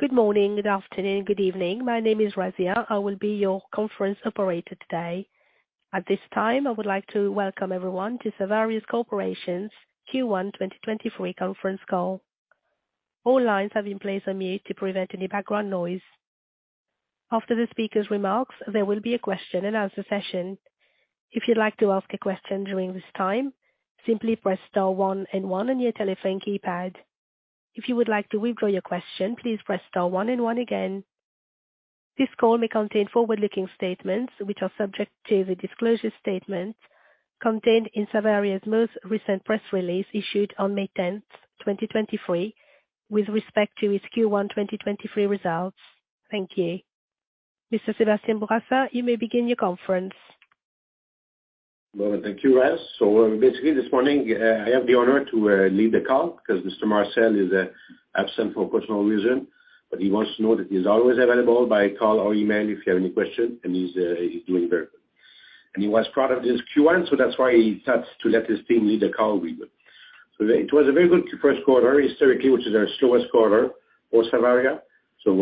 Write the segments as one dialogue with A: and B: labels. A: Good morning, good afternoon, good evening. My name is Razia. I will be your conference operator today. At this time, I would like to welcome everyone to Savaria Corporation's Q1 2023 conference call. All lines have been placed on mute to prevent any background noise. After the speaker's remarks, there will be a question-and-answer session. If you'd like to ask a question during this time, simply press star one and one on your telephone keypad. If you would like to withdraw your question, please press star one and one again. This call may contain forward-looking statements, which are subject to the disclosure statement contained in Savaria's most recent press release issued on May 10, 2023, with respect to its Q1 2023 results. Thank you. Mr. Sébastien Bourassa, you may begin your conference.
B: Well, thank you, Raz. Basically, this morning, I have the honor to lead the call 'cause Mr. Marcel is absent for a personal reason. He wants to know that he's always available by call or email if you have any questions, and he's doing very good. He was proud of this Q1, that's why he thought to let his team lead the call we would. It was a very good first quarter historically, which is our slowest quarter for Savaria. We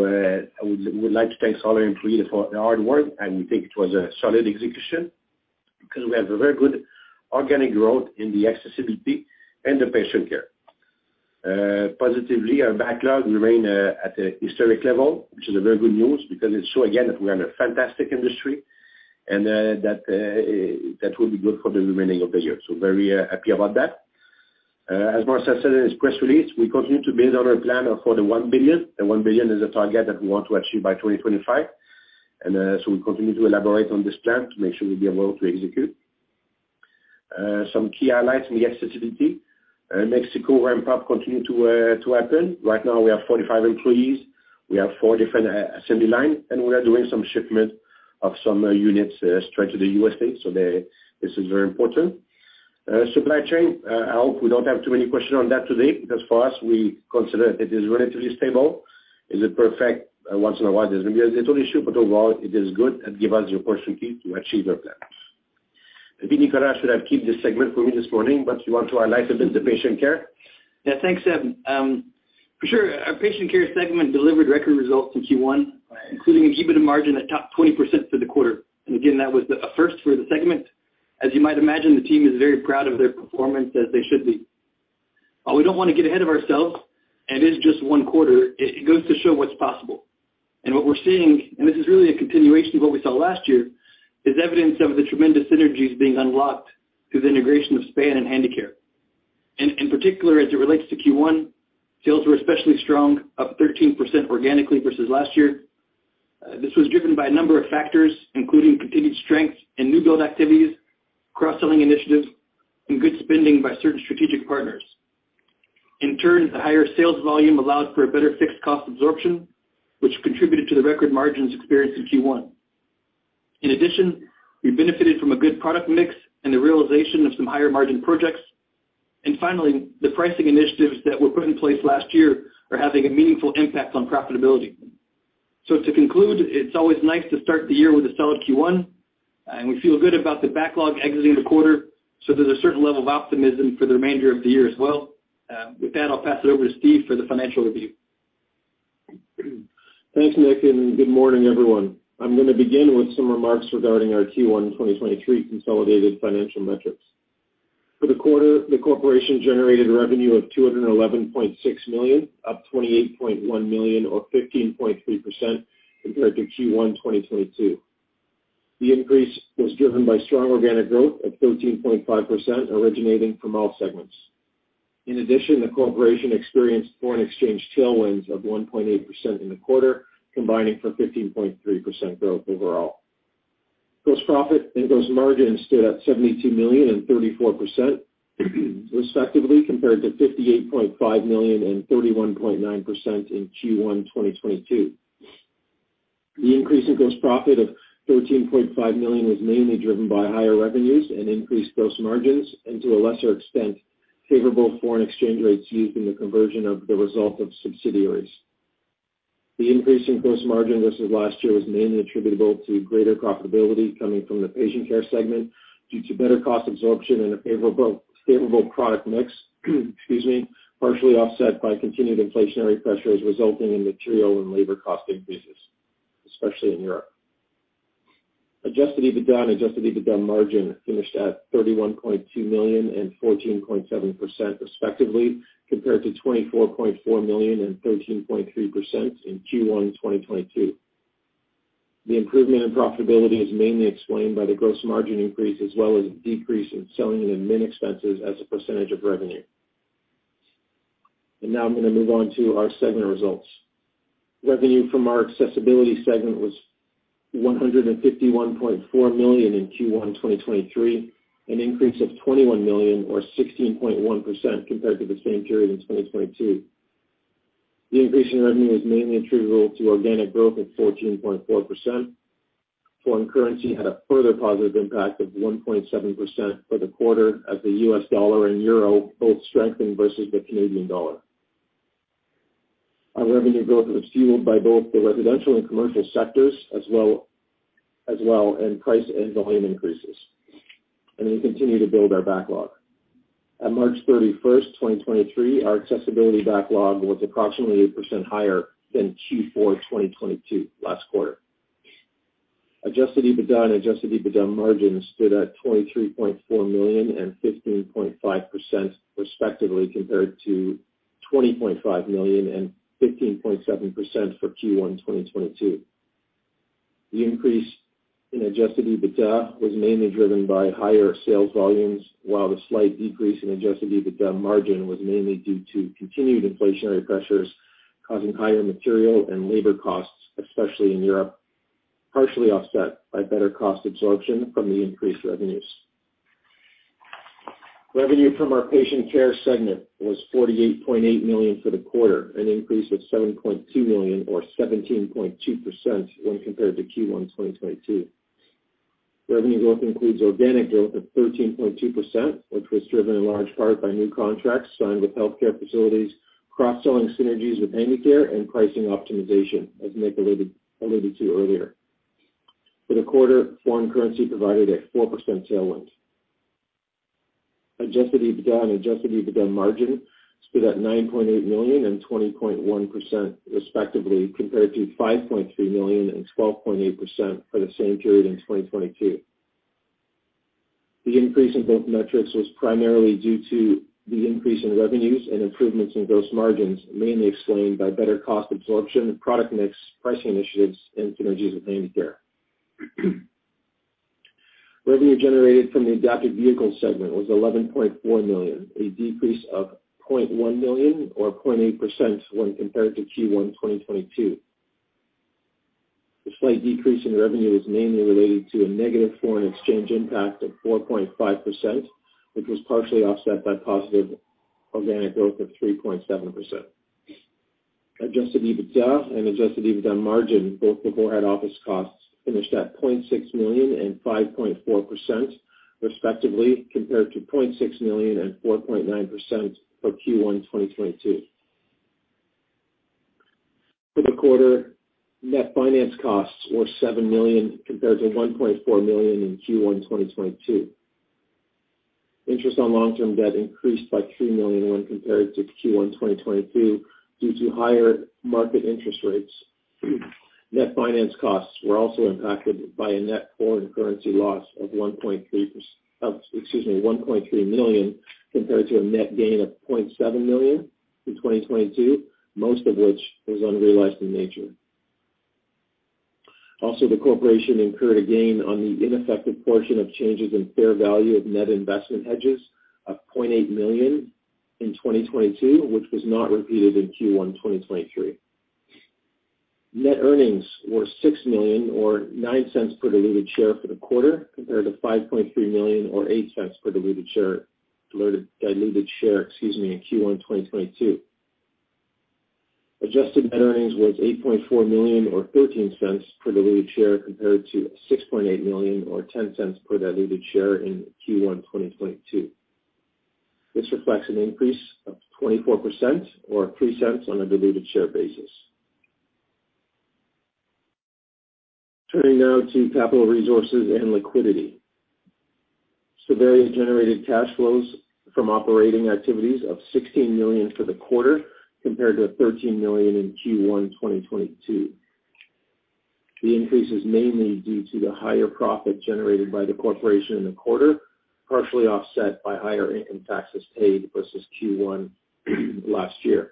B: would like to thank all our employees for their hard work, and we think it was a solid execution 'cause we have a very good organic growth in the Accessibility and the Patient Care. Positively, our backlog remain at a historic level, which is a very good news because it show again that we're in a fantastic industry and that will be good for the remaining of the year. Very happy about that. As Marcel said in his press release, we continue to build on our plan for the 1 billion. The 1 billion is a target that we want to achieve by 2025. We continue to elaborate on this plan to make sure we'll be able to execute. Some key highlights in the Accessibility. Mexico ramp-up continue to happen. Right now we have 45 employees. We have four different assembly line, and we are doing some shipment of some units straight to the U.S. state. This is very important. Supply chain, I hope we don't have too many questions on that today because for us we consider it is relatively stable. Is it perfect? Once in a while there's a little issue, but overall it is good and give us the opportunity to achieve our plans. Maybe Nicolas should have keep this segment for me this morning, but he want to highlight a bit the Patient Care.
C: Yeah, thanks, Seb. For sure, our Patient Care segment delivered record results in Q1, including an EBITDA margin that topped 20% for the quarter. Again, that was a first for the segment. As you might imagine, the team is very proud of their performance as they should be. While we don't wanna get ahead of ourselves, and it is just one quarter, it goes to show what's possible. What we're seeing, and this is really a continuation of what we saw last year, is evidence of the tremendous synergies being unlocked through the integration of Span-America and Handicare. In particular, as it relates to Q1, sales were especially strong, up 13% organically versus last year. This was driven by a number of factors, including continued strength in new build activities, cross-selling initiatives, and good spending by certain strategic partners. In turn, the higher sales volume allowed for a better fixed cost absorption, which contributed to the record margins experienced in Q1. In addition, we benefited from a good product mix and the realization of some higher margin projects. Finally, the pricing initiatives that were put in place last year are having a meaningful impact on profitability. To conclude, it's always nice to start the year with a solid Q1, and we feel good about the backlog exiting the quarter. There's a certain level of optimism for the remainder of the year as well. With that, I'll pass it over to Steve for the financial review.
D: Thanks, Nick, and good morning, everyone. I'm gonna begin with some remarks regarding our Q1 2023 consolidated financial metrics. For the quarter, the corporation generated revenue of 211.6 million, up 28.1 million or 15.3% compared to Q1 2022. The increase was driven by strong organic growth of 13.5% originating from all segments. In addition, the corporation experienced foreign exchange tailwinds of 1.8% in the quarter, combining for 15.3% growth overall. Gross profit and gross margins stood at 72 million and 34% respectively, compared to 58.5 million and 31.9% in Q1 2022. The increase in gross profit of 13.5 million was mainly driven by higher revenues and increased gross margins, to a lesser extent, favorable foreign exchange rates used in the conversion of the result of subsidiaries. The increase in gross margin versus last year was mainly attributable to greater profitability coming from the Patient Care segment due to better cost absorption and a favorable product mix, excuse me, partially offset by continued inflationary pressures resulting in material and labor cost increases, especially in Europe. Adjusted EBITDA and adjusted EBITDA margin finished at 31.2 million and 14.7% respectively, compared to 24.4 million and 13.3% in Q1 2022. The improvement in profitability is mainly explained by the gross margin increase as well as a decrease in selling and admin expenses as a percentage of revenue. Now I'm going to move on to our segment results. Revenue from our Accessibility segment was 151.4 million in Q1 2023, an increase of 21 million or 16.1% compared to the same period in 2022. The increase in revenue is mainly attributable to organic growth of 14.4%. Foreign currency had a further positive impact of 1.7% for the quarter as the U.S. dollar and euro both strengthened versus the Canadian dollar. Our revenue growth was fueled by both the residential and commercial sectors as well as price and volume increases. We continue to build our backlog. At March 31st, 2023, our Accessibility backlog was approximately 8% higher than Q4 2022 last quarter. Adjusted EBITDA and adjusted EBITDA margin stood at 23.4 million and 15.5% respectively compared to 20.5 million and 15.7% for Q1 2022. The increase in adjusted EBITDA was mainly driven by higher sales volumes, while the slight decrease in adjusted EBITDA margin was mainly due to continued inflationary pressures causing higher material and labor costs, especially in Europe, partially offset by better cost absorption from the increased revenues. Revenue from our Patient Care segment was 48.8 million for the quarter, an increase of 7.2 million or 17.2% when compared to Q1 2022. Revenue growth includes organic growth of 13.2%, which was driven in large part by new contracts signed with healthcare facilities, cross-selling synergies with AmbuCare, and pricing optimization, as Nick alluded to earlier. For the quarter, foreign currency provided a 4% tailwind. Adjusted EBITDA and adjusted EBITDA margin stood at 9.8 million and 20.1% respectively, compared to 5.3 million and 12.8% for the same period in 2022. The increase in both metrics was primarily due to the increase in revenues and improvements in gross margins, mainly explained by better cost absorption, product mix, pricing initiatives, and synergies with AmbuCare. Revenue generated from the Adapted Vehicles segment was 11.4 million, a decrease of 0.1 million or 0.8% when compared to Q1 2022. The slight decrease in revenue is mainly related to a negative foreign exchange impact of 4.5%, which was partially offset by positive organic growth of 3.7%. Adjusted EBITDA and adjusted EBITDA margin, both before add office costs, finished at 0.6 million and 5.4% respectively, compared to 0.6 million and 4.9% for Q1 2022. For the quarter, net finance costs were 7 million compared to 1.4 million in Q1 2022. Interest on long-term debt increased by 3 million when compared to Q1 2022 due to higher market interest rates. Net finance costs were also impacted by a net foreign currency loss of 1.3 million compared to a net gain of 0.7 million in 2022, most of which was unrealized in nature. The corporation incurred a gain on the ineffective portion of changes in fair value of net investment hedges of 0.8 million in 2022, which was not repeated in Q1 2023. Net earnings were 6 million or 0.09 per diluted share for the quarter, compared to 5.3 million or 0.08 per diluted share, excuse me, in Q1 2022. Adjusted net earnings was 8.4 million or 0.13 per diluted share compared to 6.8 million or 0.10 per diluted share in Q1 2022. This reflects an increase of 24% or 0.03 on a diluted share basis. Turning now to capital resources and liquidity. Savaria generated cash flows from operating activities of 16 million for the quarter compared to 13 million in Q1 2022. The increase is mainly due to the higher profit generated by the corporation in the quarter, partially offset by higher income taxes paid versus Q1 2022.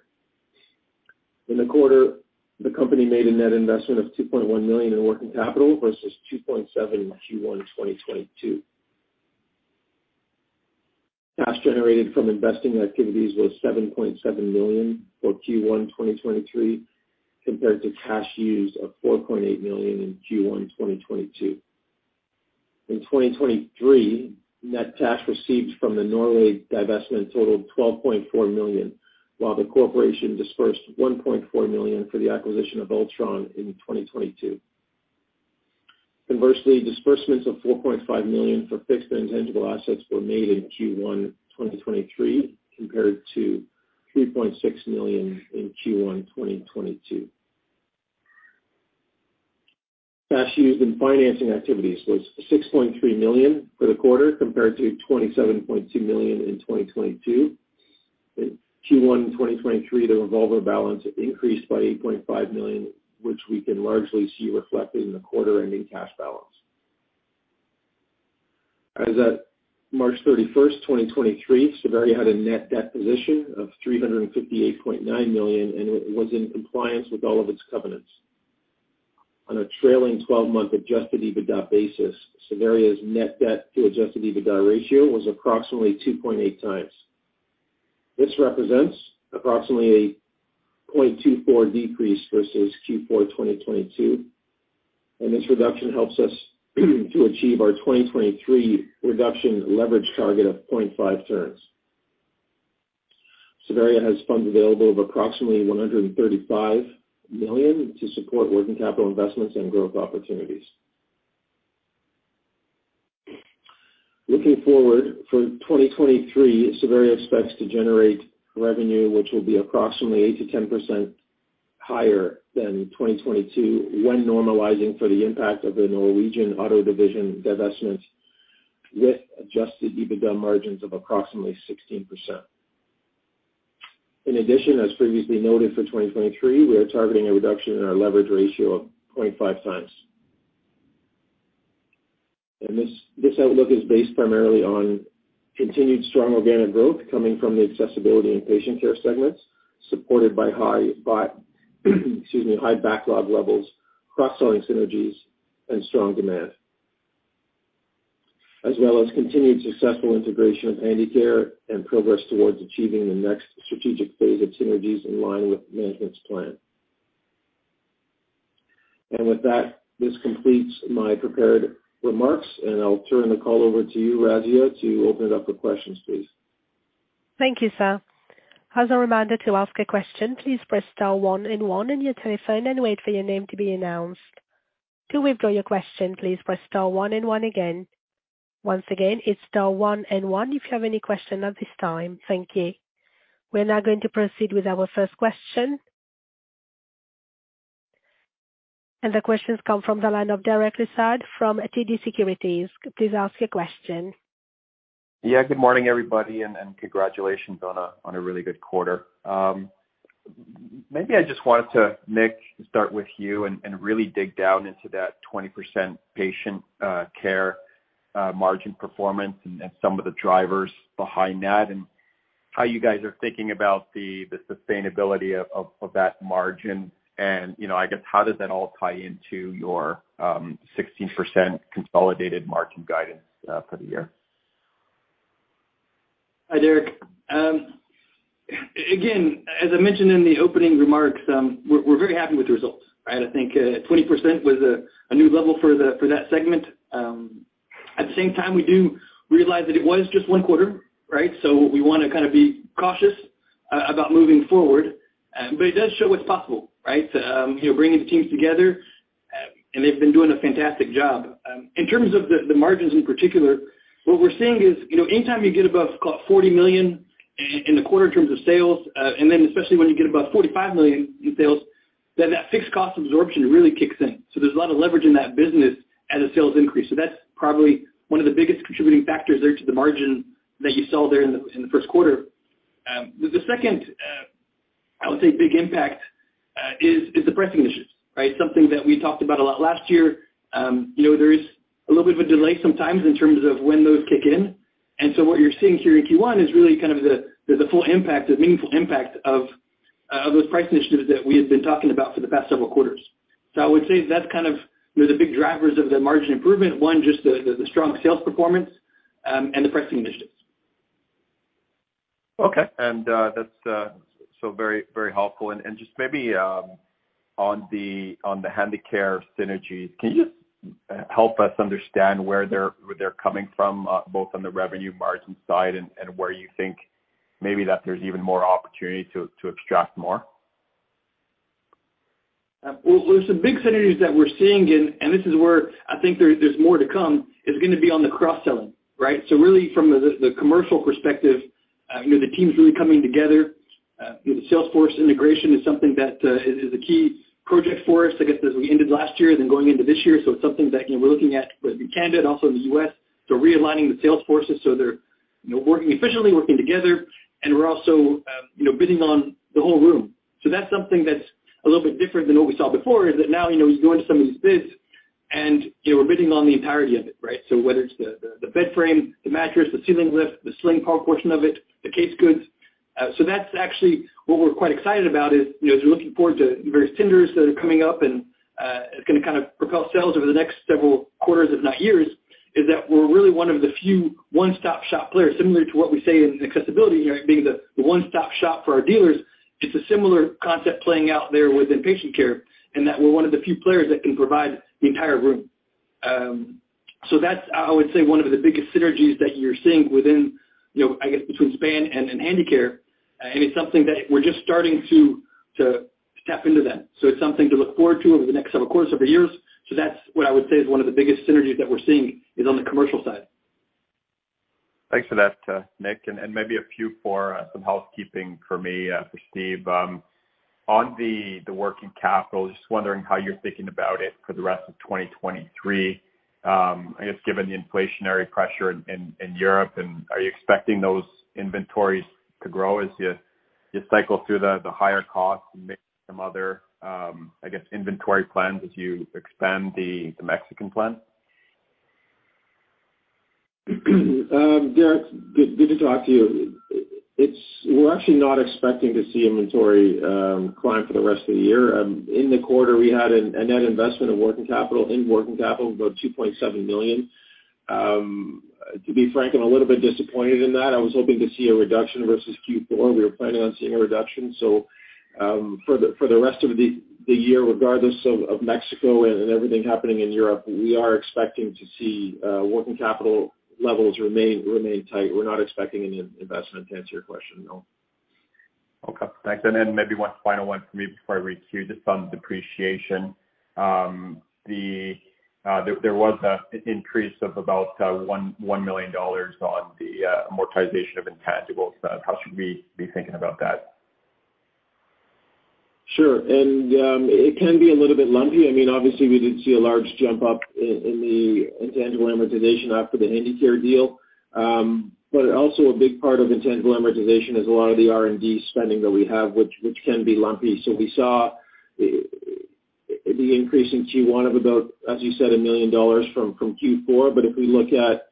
D: In the quarter, the company made a net investment of 2.1 million in working capital versus 2.7 million in Q1 2022. Cash generated from investing activities was 7.7 million for Q1 2023 compared to cash used of 4.8 million in Q1 2022. In 2023, net cash received from the Norway divestment totaled 12.4 million, while the corporation dispersed 1.4 million for the acquisition of Ultron in 2022. Conversely, disbursements of 4.5 million for fixed intangible assets were made in Q1 2023 compared to 3.6 million in Q1 2022. Cash used in financing activities was 6.3 million for the quarter compared to 27.2 million in 2022. In Q1 2023, the revolver balance increased by 8.5 million, which we can largely see reflected in the quarter ending cash balance. As at March 31, 2023, Savaria had a net debt position of 358.9 million, it was in compliance with all of its covenants. On a trailing 12-month adjusted EBITDA basis, Savaria's net debt to adjusted EBITDA ratio was approximately 2.8x. This represents approximately a 0.24 decrease versus Q4 2022, this reduction helps us to achieve our 2023 reduction leverage target of 0.5 turns. Savaria has funds available of approximately 135 million to support working capital investments and growth opportunities. Looking forward, for 2023, Savaria expects to generate revenue which will be approximately 8%-10% higher than 2022 when normalizing for the impact of the Norwegian vehicle adaptation business divestment, with adjusted EBITDA margins of approximately 16%. In addition, as previously noted, for 2023, we are targeting a reduction in our leverage ratio of 0.5x. This outlook is based primarily on continued strong organic growth coming from the Accessibility and Patient Care segments, supported by high backlog levels, cross-selling synergies and strong demand. As well as continued successful integration of Handicare and progress towards achieving the next strategic phase of synergies in line with management's plan. With that, this completes my prepared remarks, and I'll turn the call over to you, Razia, to open it up for questions, please.
A: Thank you, sir. As a reminder to ask a question, please press star one and one on your telephone and wait for your name to be announced. To withdraw your question, please press star one and one again. Once again, it's star one and one if you have any question at this time. Thank you. We're now going to proceed with our first question. The questions come from the line of Derek Lessard from TD Securities. Please ask your question.
E: Good morning, everybody, and congratulations on a really good quarter. Maybe I just wanted to, Nick, start with you and really dig down into that 20% Patient Care margin performance and some of the drivers behind that and how you guys are thinking about the sustainability of that margin. You know, I guess, how does that all tie into your 16% consolidated margin guidance for the year?
C: Hi, Derek. Again, as I mentioned in the opening remarks, we're very happy with the results, right? I think 20% was a new level for that segment. At the same time, we do realize that it was just one quarter, right? We wanna kind of be cautious about moving forward, but it does show what's possible, right? You know, bringing the teams together, and they've been doing a fantastic job. In terms of the margins in particular, what we're seeing is, you know, anytime you get above 40 million in the quarter in terms of sales, and then especially when you get above 45 million in sales, then that fixed cost absorption really kicks in. There's a lot of leverage in that business as the sales increase. That's probably one of the biggest contributing factors there to the margin that you saw there in the first quarter. The second, I would say big impact, is the pricing initiatives, right? Something that we talked about a lot last year. You know, there is a little bit of a delay sometimes in terms of when those kick in. What you're seeing here in Q1 is really kind of the full impact, the meaningful impact of those price initiatives that we had been talking about for the past several quarters. I would say that's kind of, you know, the big drivers of the margin improvement, one, just the strong sales performance, and the pricing initiatives.
E: Okay. That's so very, very helpful. Just maybe, on the Handicare synergies, can you help us understand where they're coming from, both on the revenue margin side and where you think maybe that there's even more opportunity to extract more?
C: Well, there's some big synergies that we're seeing and this is where I think there's more to come, is gonna be on the cross-selling, right? Really from the commercial perspective, you know, the team's really coming together. You know, the sales force integration is something that is a key project for us, I guess, as we ended last year than going into this year. It's something that, you know, we're looking at within Canada, also in the U.S. Realigning the sales forces so they're, you know, working efficiently, working together, and we're also, you know, bidding on the whole room. That's something that's a little bit different than what we saw before, is that now, you know, we go into some of these bids and, you know, we're bidding on the entirety of it, right? Whether it's the bed frame, the mattress, the ceiling lift, the sling power portion of it, the case goods. That's actually what we're quite excited about is, you know, as we're looking forward to various tenders that are coming up and it's gonna kind of propel sales over the next several quarters, if not years, is that we're really one of the few one-stop shop players, similar to what we say in Accessibility, being the one-stop shop for our dealers. It's a similar concept playing out there within Patient Care, and that we're one of the few players that can provide the entire room. That's, I would say, one of the biggest synergies that you're seeing within, you know, I guess between Span-America and Handicare. It's something that we're just starting to tap into that. It's something to look forward to over the next several quarters, over years. That's what I would say is one of the biggest synergies that we're seeing is on the commercial side.
E: Thanks for that, Nick. Maybe a few for some housekeeping for me for Steve. On the working capital, just wondering how you're thinking about it for the rest of 2023. I guess given the inflationary pressure in Europe, are you expecting those inventories to grow as you cycle through the higher costs and make some other, I guess, inventory plans as you expand the Mexican plant?
D: Derek, good to talk to you. We're actually not expecting to see inventory climb for the rest of the year. In the quarter, we had a net investment of working capital, in working capital of about 2.7 million. To be frank, I'm a little bit disappointed in that. I was hoping to see a reduction versus Q4. We were planning on seeing a reduction. For the rest of the year, regardless of Mexico and everything happening in Europe, we are expecting to see working capital levels remain tight. We're not expecting any investment, to answer your question, no.
E: Okay, thanks. Maybe one final one for me before I recue, just on depreciation. There was an increase of about $1 million on the amortization of intangibles. How should we be thinking about that?
D: Sure. It can be a little bit lumpy. I mean, obviously, we did see a large jump up in the intangible amortization after the Handicare deal. Also a big part of intangible amortization is a lot of the R&D spending that we have, which can be lumpy. We saw the increase in Q1 of about, as you said, 1 million dollars from Q4. If we look at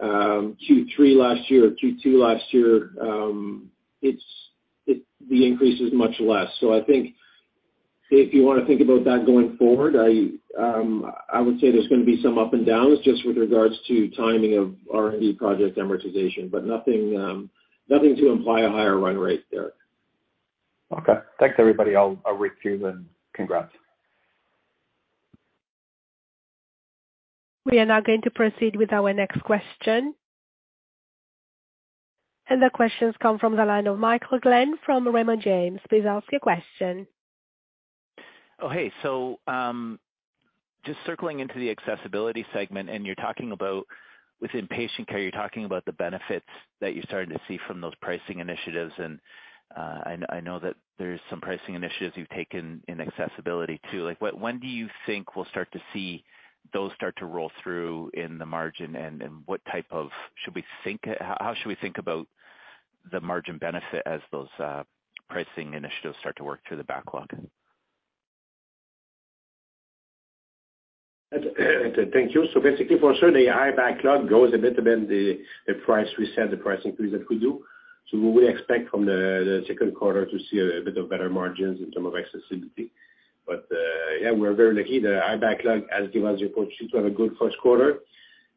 D: Q3 last year or Q2 last year, the increase is much less. I think if you wanna think about that going forward, I would say there's gonna be some up and downs just with regards to timing of R&D project amortization, but nothing to imply a higher run rate there.
E: Okay. Thanks, everybody. I'll reach you, and congrats.
A: We are now going to proceed with our next question. The question's come from the line of Michael Glen from Raymond James. Please ask your question.
F: Hey. Just circling into the Accessibility segment, and you're talking about within Patient Care, you're talking about the benefits that you're starting to see from those pricing initiatives. I know that there's some pricing initiatives you've taken in Accessibility too. Like, when do you think we'll start to see those start to roll through in the margin? How should we think about the margin benefit as those pricing initiatives start to work through the backlog?
B: Thank you. For sure, the high backlog goes a bit within the price we set, the price increase that we do. We would expect from the second quarter to see a bit of better margins in terms of Accessibility. We're very lucky. The high backlog, as Steve reported, should have a good first quarter.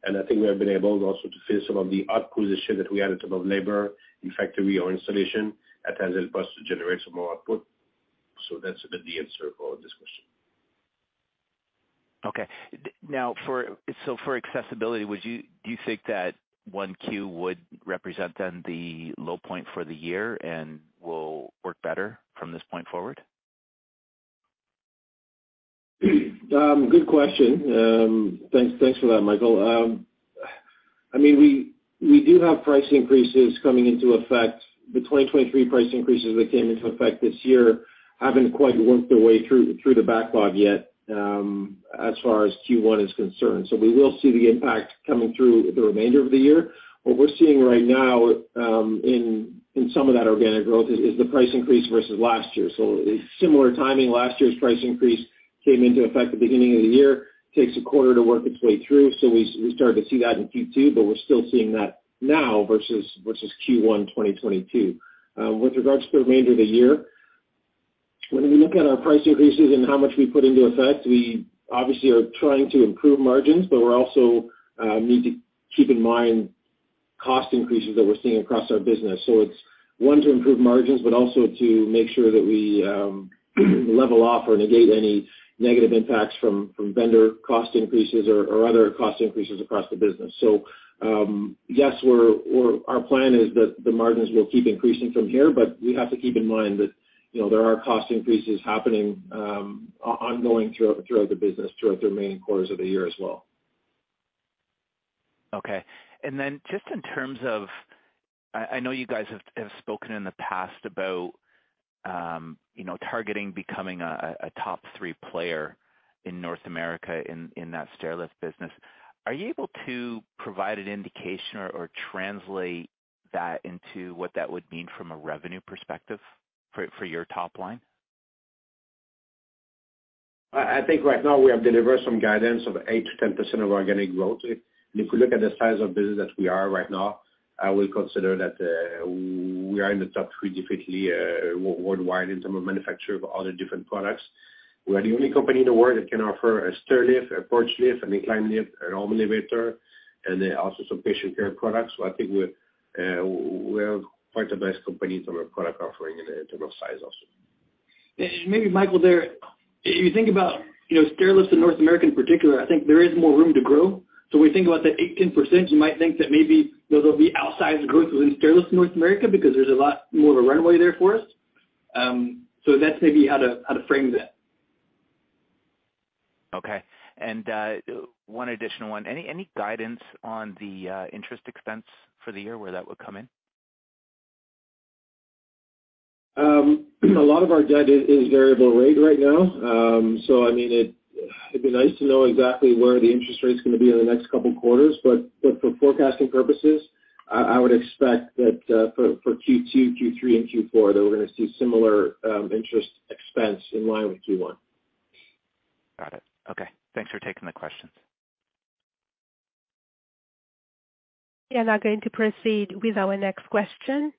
B: I think we have been able also to fit some of the acquisition that we had in terms of labor, in factory or installation that has helped us to generate some more output. That's a bit the answer for this question.
F: Okay. Now for, so for accessibility, would you, do you think that Q1 would represent then the low point for the year and will work better from this point forward?
D: Good question. Thanks for that, Michael. I mean, we do have price increases coming into effect. The 2023 price increases that came into effect this year haven't quite worked their way through the backlog yet, as far as Q1 is concerned. We will see the impact coming through the remainder of the year. What we're seeing right now, in some of that organic growth is the price increase versus last year. Similar timing, last year's price increase came into effect the beginning of the year, takes a quarter to work its way through. We started to see that in Q2, but we're still seeing that now versus Q1 2022. With regards to the remainder of the year, when we look at our price increases and how much we put into effect, we obviously are trying to improve margins, but we're also need to keep in mind cost increases that we're seeing across our business. It's, one, to improve margins, but also to make sure that we level off or negate any negative impacts from vendor cost increases or other cost increases across the business. Yes, our plan is that the margins will keep increasing from here, but we have to keep in mind that, you know, there are cost increases happening ongoing throughout the business, throughout the remaining quarters of the year as well.
F: Okay. Just in terms of... I know you guys have spoken in the past about, you know, targeting becoming a top three player in North America in that Stairlift business. Are you able to provide an indication or translate that into what that would mean from a revenue perspective for your top line?
B: I think right now we have delivered some guidance of 8%-10% of organic growth. If you look at the size of business that we are right now, I will consider that we are in the top three definitely worldwide in term of manufacture of all the different products. We are the only company in the world that can offer a Stairlift, a porch lift, an incline lift, a home elevator, and then also some Patient Care products. I think we are quite the best company in terms of product offering in terms of size also.
D: Maybe Michael there, if you think about, you know, Stairlifts in North America in particular, I think there is more room to grow. We think about that 8%-10%, you might think that maybe there'll be outsized growth within Stairlifts in North America because there's a lot more of a runway there for us. That's maybe how to, how to frame that.
F: Okay. one additional one. Any guidance on the interest expense for the year, where that would come in?
D: A lot of our debt is variable rate right now. I mean, it'd be nice to know exactly where the interest rate's gonna be in the next couple quarters, but for forecasting purposes, I would expect that for Q2, Q3, and Q4, that we're gonna see similar interest expense in line with Q1.
F: Got it. Okay. Thanks for taking the questions.
A: We are now going to proceed with our next question.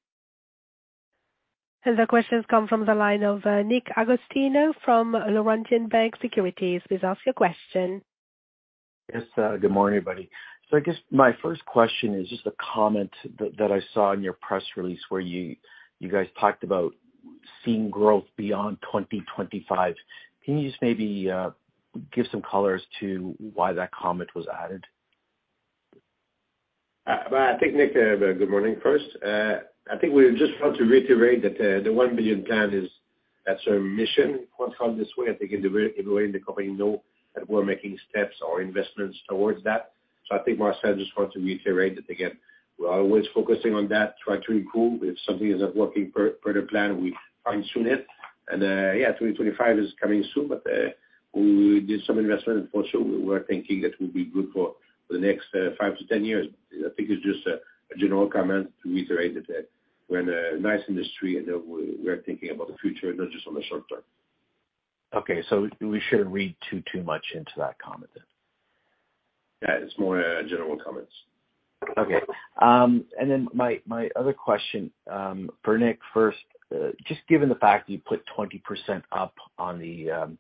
A: The question's come from the line of Nick Agostino from Laurentian Bank Securities. Please ask your question.
G: Yes. Good morning, everybody. I guess my first question is just a comment that I saw in your press release where you guys talked about seeing growth beyond 2025. Can you just maybe give some color as to why that comment was added?
B: Well, I think Nick, good morning first. I think we just want to reiterate that the 1 billion plan is, that's our mission, let's call it this way. I think everybody in the company know that we're making steps or investments towards that. I think Marcel just want to reiterate it again. We're always focusing on that, try to improve. If something is not working per the plan, we fine-tune it. Yeah, 2025 is coming soon, but we did some investment for sure. We're thinking it will be good for the next five to 10 years. I think it's just a general comment to reiterate that we're in a nice industry, and we're thinking about the future, not just on the short term.
G: Okay. We shouldn't read too much into that comment then?
B: Yeah. It's more general comments.
G: Okay. My other question for Nick first. Just given the fact that you put 20% up on the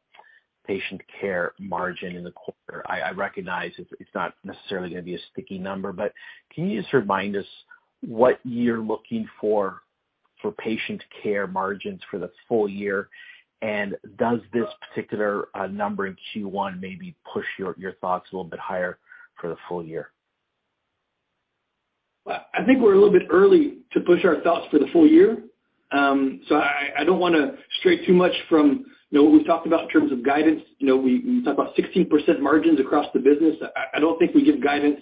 G: Patient Care margin in the quarter, I recognize it's not necessarily gonna be a sticky number, but can you just remind us what you're looking for for Patient Care margins for the full year? Does this particular number in Q1 maybe push your thoughts a little bit higher for the full year?
C: Well, I think we're a little bit early to push our thoughts for the full year. I don't wanna stray too much from, you know, what we've talked about in terms of guidance. You know, we talk about 16% margins across the business. I don't think we give guidance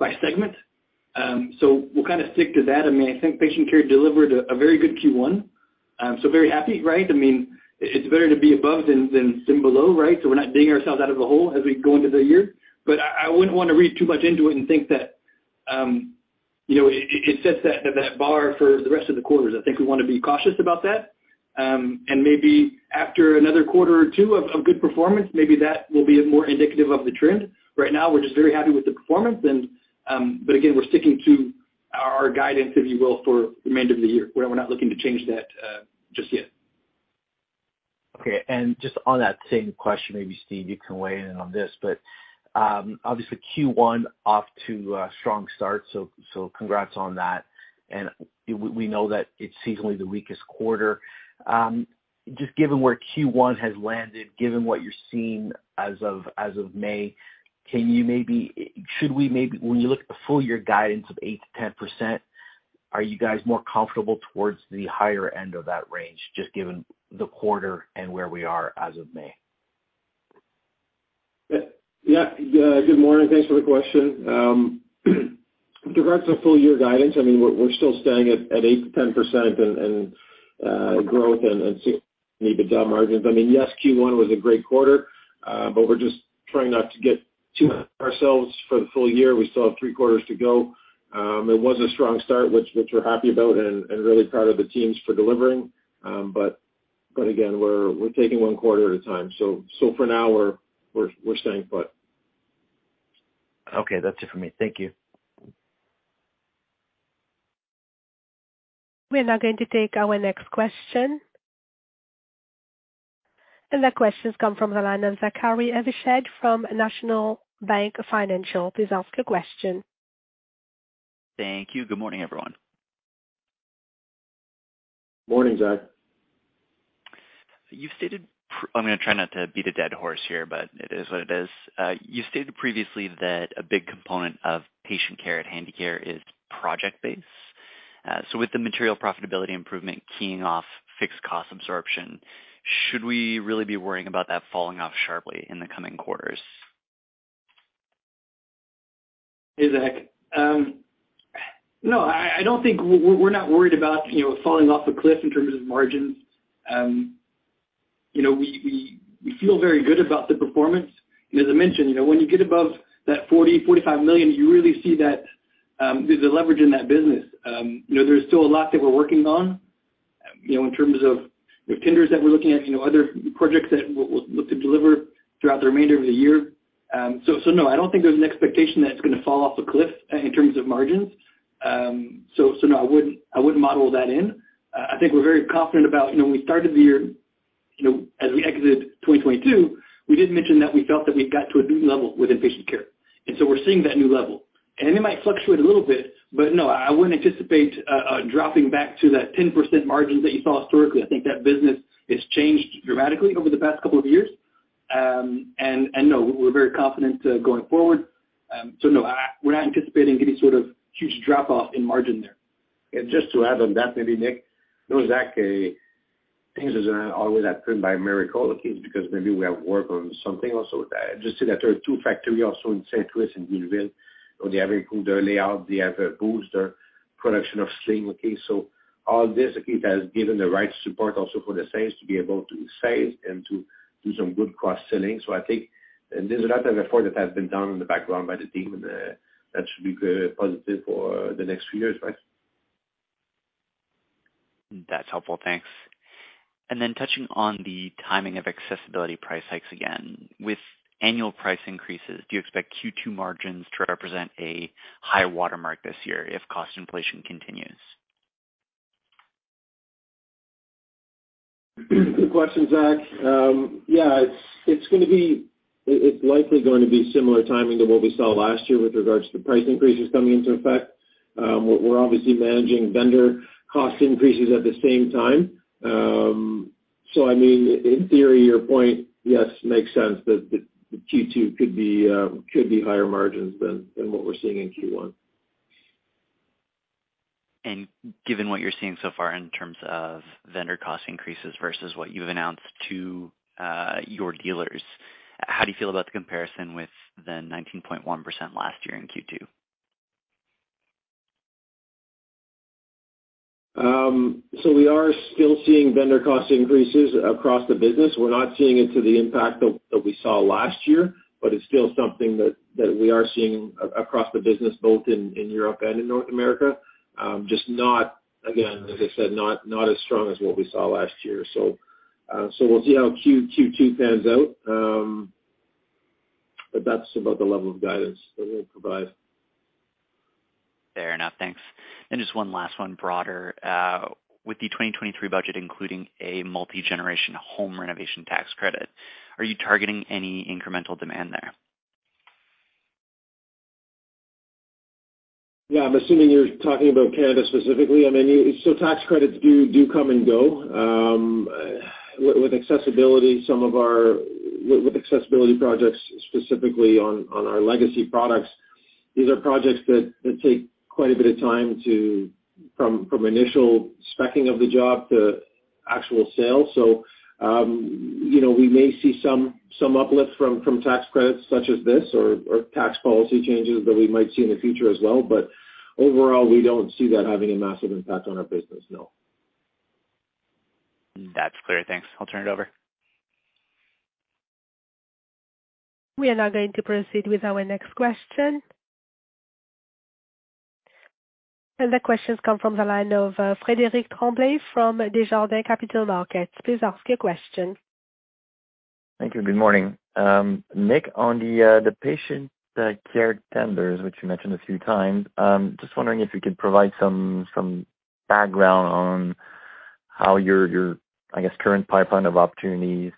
C: by segment. We'll kind of stick to that. I mean, I think Patient Care delivered a very good Q1. Very happy, right? I mean, it's better to be above than below, right? We're not digging ourselves out of the hole as we go into the year. I wouldn't wanna read too much into it and think that, you know, it sets that bar for the rest of the quarters. I think we wanna be cautious about that. Maybe after another quarter or two of good performance, maybe that will be more indicative of the trend. Right now, we're just very happy with the performance and, but again, we're sticking to our guidance, if you will, for remainder of the year. We're not looking to change that just yet.
G: Okay. Just on that same question, maybe Steve, you can weigh in on this. Obviously Q1 off to a strong start, so congrats on that. We know that it's seasonally the weakest quarter. Just given where Q1 has landed, given what you're seeing as of May, when you look at the full year guidance of 8%-10%, are you guys more comfortable towards the higher end of that range just given the quarter and where we are as of May?
D: Yeah. Yeah. Good morning. Thanks for the question. Regards to full year guidance, I mean, we're still staying at 8%-10% and growth and EBITDA margins. I mean, yes, Q1 was a great quarter, but we're just trying not to get too ahead of ourselves for the full year. We still have 3 quarters to go. It was a strong start, which we're happy about and really proud of the teams for delivering. Again, we're taking 1 quarter at a time. For now we're staying put.
G: Okay. That's it for me. Thank you.
A: We are now going to take our next question. That question's come from Zachary Evershed from National Bank Financial. Please ask your question.
H: Thank you. Good morning, everyone.
D: Morning, Zac.
H: You've stated I'm gonna try not to beat a dead horse here, but it is what it is. You stated previously that a big component of Patient Care at Handicare is project-based. With the material profitability improvement keying off fixed cost absorption, should we really be worrying about that falling off sharply in the coming quarters?
C: Hey, Zac. No, I don't think we're not worried about, you know, falling off a cliff in terms of margins. you know, we feel very good about the performance. As I mentioned, you know, when you get above that 40-45 million, you really see that there's a leverage in that business. you know, there's still a lot that we're working on, you know, in terms of the tenders that we're looking at, you know, other projects that we'll look to deliver throughout the remainder of the year. so no, I don't think there's an expectation that it's gonna fall off a cliff in terms of margins. so no, I wouldn't model that in. I think we're very confident about, you know, when we started the year, you know, as we exited 2022, we did mention that we felt that we'd got to a new level within Patient Care, and we're seeing that new level. It might fluctuate a little bit, but no, I wouldn't anticipate dropping back to that 10% margin that you saw historically. I think that business has changed dramatically over the past couple of years. And no, we're very confident going forward. So no, I, we're not anticipating any sort of huge drop off in margin there.
B: Just to add on that, maybe Nick. No, Zac, things are not always that driven by America, okay, because maybe we have work on something also. Just say that there are two factory also in St. Louis and Louisville, where they have improved their layout, they have, boost their production of sling. Okay. All this, okay, has given the right support also for the sales to be able to sell and to do some good cross-selling. I think there's a lot of effort that has been done in the background by the team, that should be good positive for the next few years, right?
H: That's helpful. Thanks. Touching on the timing of Accessibility price hikes again, with annual price increases, do you expect Q2 margins to represent a high watermark this year if cost inflation continues?
D: Good question, Zac. yeah, it's likely going to be similar timing to what we saw last year with regards to price increases coming into effect. we're obviously managing vendor cost increases at the same time. I mean, in theory, your point, yes, makes sense that Q2 could be higher margins than what we're seeing in Q1.
H: Given what you're seeing so far in terms of vendor cost increases versus what you've announced to your dealers, how do you feel about the comparison with the 19.1% last year in Q2?
D: We are still seeing vendor cost increases across the business. We're not seeing it to the impact of we saw last year. It's still something we are seeing across the business, both in Europe and in North America. Just not, again, as I said, not as strong as what we saw last year. We'll see how Q2 pans out. That's about the level of guidance that we'll provide.
H: Fair enough. Thanks. Just one last one, broader. With the 2023 budget, including a Multigenerational Home Renovation Tax Credit, are you targeting any incremental demand there?
D: I'm assuming you're talking about Canada specifically. Tax credits do come and go. With Accessibility, some of our Accessibility projects, specifically on our legacy products, these are projects that take quite a bit of time to from initial specing of the job to actual sale. You know, we may see some uplift from tax credits such as this or tax policy changes that we might see in the future as well. Overall, we don't see that having a massive impact on our business, no.
H: That's clear. Thanks. I'll turn it over.
A: We are now going to proceed with our next question. The question's come from the line of Frederic Tremblay from Desjardins Capital Markets. Please ask your question.
I: Thank you. Good morning. Nick, on the Patient Care tenders, which you mentioned a few times, just wondering if you could provide some background on how your, I guess, current pipeline of opportunities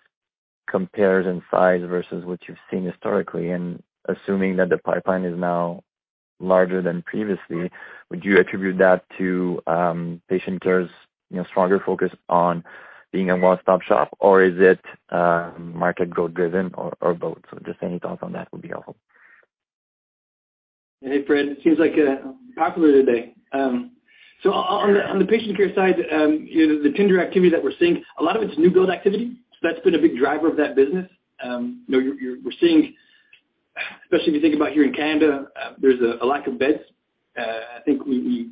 I: compares in size versus what you've seen historically. Assuming that the pipeline is now larger than previously, would you attribute that to Patient Care's, you know, stronger focus on being a one-stop shop, or is it market growth driven or both? Just any thoughts on that would be helpful.
C: Hey, Fred, it seems like I'm popular today. On the Patient Care side, you know, the tender activity that we're seeing, a lot of it's new build activity, so that's been a big driver of that business. You know, we're seeing, especially if you think about here in Canada, there's a lack of beds. I think we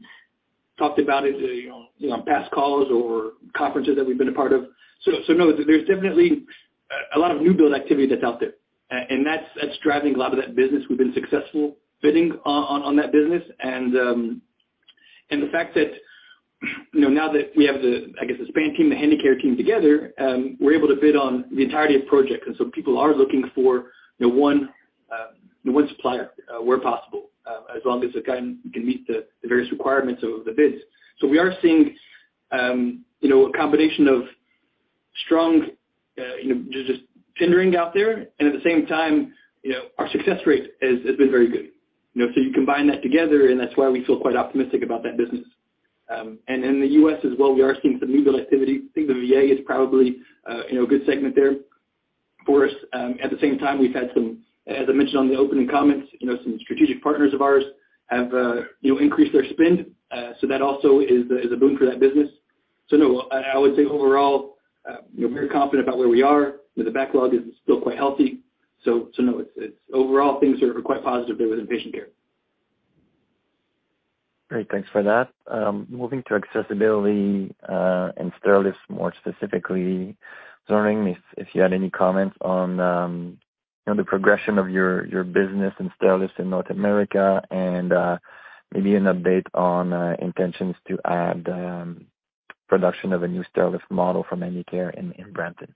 C: talked about it, you know, on past calls or conferences that we've been a part of. No, there's definitely a lot of new build activity that's out there. That's driving a lot of that business. We've been successful bidding on that business. The fact that, you know, now that we have the Span team, the Handicare team together, we're able to bid on the entirety of project. People are looking for the one, the one supplier, where possible, as long as the client can meet the various requirements of the bids. We are seeing, you know, a combination of strong, you know, just tendering out there, and at the same time, you know, our success rate has been very good. You know, you combine that together, and that's why we feel quite optimistic about that business. In the U.S. as well, we are seeing some new build activity. I think the V.A. is probably, you know, a good segment there for us. At the same time, we've had some, as I mentioned on the opening comments, you know, some strategic partners of ours have, you know, increased their spend. That also is a boon for that business. No, I would say overall, you know, very confident about where we are. You know, the backlog is still quite healthy. No, it's overall things are quite positive there within Patient Care.
I: Great. Thanks for that. Moving to Accessibility and Stairlift more specifically, Werner, if you had any comments on, you know, the progression of your business in Stairlift in North America and maybe an update on intentions to add production of a new Stairlift model from Handicare in Brampton.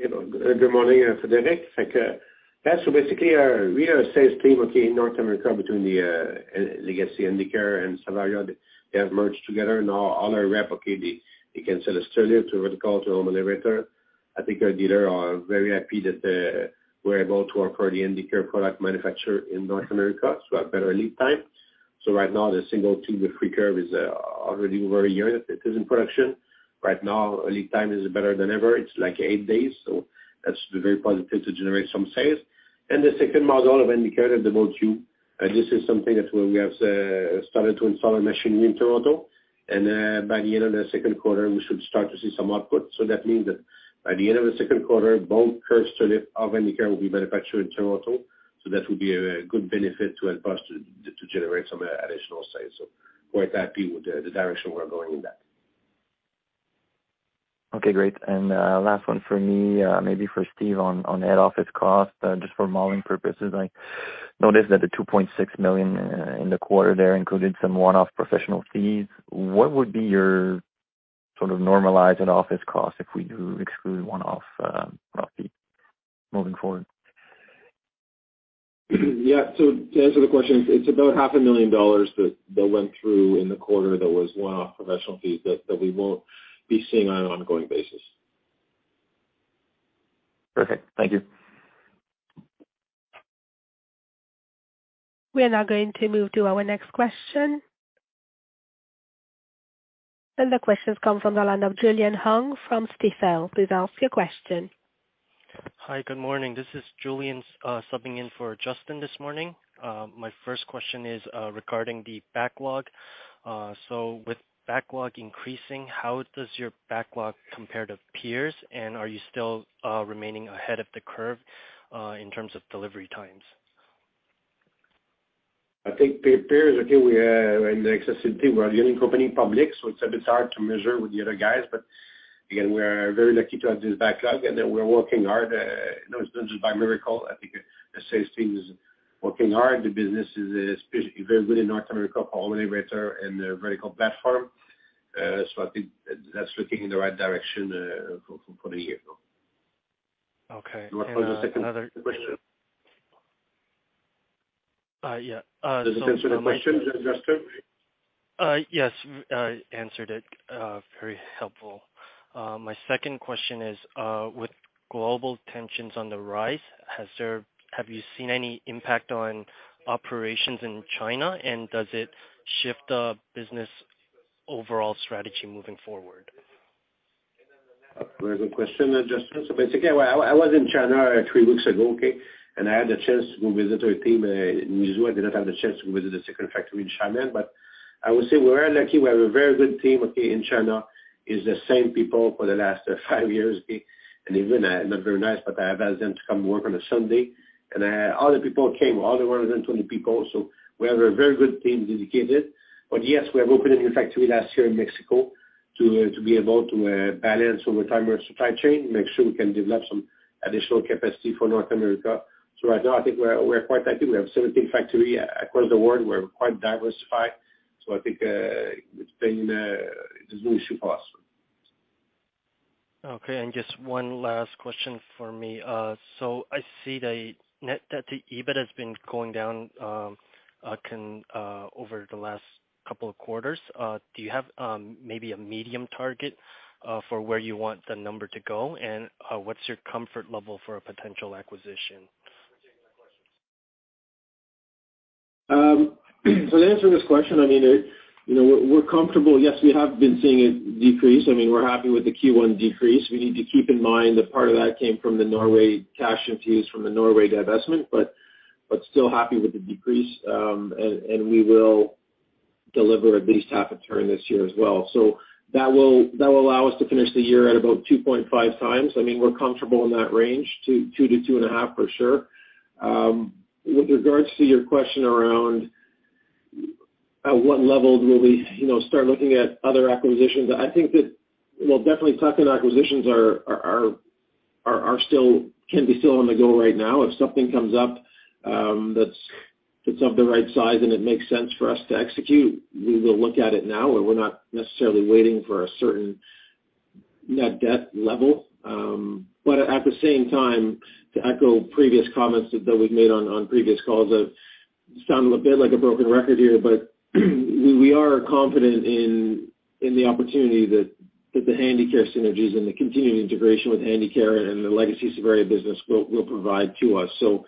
D: You know, good morning, Frederic. Thank you. Yeah, basically our, we are a sales team, okay, in North America between the legacy Handicare and Savaria. They have merged together. Now all our rep, okay, they can sell a Stairlift to vertical, to home elevator. I think our dealer are very happy that we're able to offer the Handicare product manufacture in North America to have better lead time. Right now, the single tube with Freecurve is already over a year that it is in production. Right now, lead time is better than ever. It's like eight days. That's very positive to generate some sales. The second model of Handicare, the Motu, this is something that we have started to install a machinery in Toronto. By the end of the second quarter, we should start to see some output. That means that by the end of the second quarter, both curved Stairlift of Handicare will be manufactured in Toronto. That would be a good benefit to help us to generate some additional sales. Quite happy with the direction we're going in that.
I: Okay, great. Last one for me, maybe for Steve on head office cost, just for modeling purposes. I noticed that the 2.6 million in the quarter there included some one-off professional fees. What would be your sort of normalized head office cost if we do exclude one-off fees moving forward?
D: Yeah. To answer the question, it's about half a million dollars that went through in the quarter that was one-off professional fees that we won't be seeing on an ongoing basis.
I: Perfect. Thank you.
A: We are now going to move to our next question. The question comes from the line of Julian Hung from Stifel. Please ask your question.
J: Hi, good morning. This is Julian, subbing in for Justin this morning. My first question is regarding the backlog. With backlog increasing, how does your backlog compare to peers, and are you still remaining ahead of the curve in terms of delivery times?
B: I think peers, again, we are in the Accessibility. We're the only company public, so it's a bit hard to measure with the other guys. Again, we're very lucky to have this backlog and that we're working hard. You know, it's not just by miracle. I think the sales team is working hard. The business is very good in North America for elevator and the vertical platform. I think that's looking in the right direction for the year.
J: Okay.
B: You want to pose a second question?
J: Yeah.
B: Does that answer the question, Justin?
J: Yes. Answered it, very helpful. My second question is, with global tensions on the rise, have you seen any impact on operations in China, and does it shift the business overall strategy moving forward?
B: Very good question, Justin. Basically, I was in China three weeks ago, okay? I had the chance to go visit our team. In Huizhou, I did not have the chance to visit the second factory in Xiamen. I would say we are lucky we have a very good team, okay, in China. It's the same people for the last five years. Even, not very nice, but I have asked them to come work on a Sunday, and all the people came, all the 120 people. We have a very good team dedicated. Yes, we have opened a new factory last year in Mexico to be able to balance over time our supply chain, make sure we can develop some additional capacity for North America. Right now, I think we're quite active. We have 17 factory across the world. We're quite diversified. I think, it has been super awesome.
J: Okay, just one last question for me. I see that the EBIT has been going down over the last couple of quarters. Do you have maybe a medium target for where you want the number to go? What's your comfort level for a potential acquisition? For taking that question.
D: To answer this question, I mean, you know, we're comfortable. Yes, we have been seeing a decrease. I mean, we're happy with the Q1 decrease. We need to keep in mind that part of that came from the Norway cash infused from the Norway divestment, but still happy with the decrease. We will deliver at least half a turn this year as well. That will allow us to finish the year at about 2.5x. I mean, we're comfortable in that range, two to 2.5 for sure. With regards to your question around at what level will we, you know, start looking at other acquisitions, I think that, you know, definitely tuck-in acquisitions are still, can be still on the go right now. If something comes up, that's of the right size and it makes sense for us to execute, we will look at it now. We're not necessarily waiting for a certain net debt level. At the same time, to echo previous comments that we've made on previous calls, sound a bit like a broken record here, but we are confident in the opportunity that the Handicare synergies and the continuing integration with Handicare and the legacy Savaria business will provide to us. You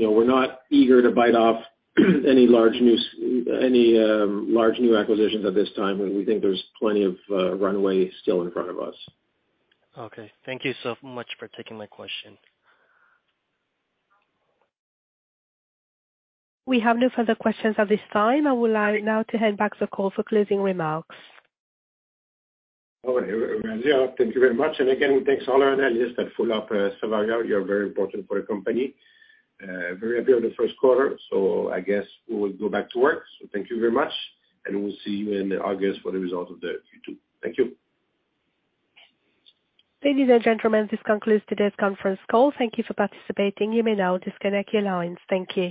D: know, we're not eager to bite off any large new acquisitions at this time. We think there's plenty of runway still in front of us.
J: Thank you so much for taking my question.
A: We have no further questions at this time. I would like now to hand back the call for closing remarks.
B: All right. Thank you very much. Again, thanks to all our analysts that follow up, Savaria. You're very important for the company. Very happy with the first quarter, I guess we will go back to work. Thank you very much, and we'll see you in August for the results of the Q2. Thank you.
A: Ladies and gentlemen, this concludes today's conference call. Thank you for participating. You may now disconnect your lines. Thank you.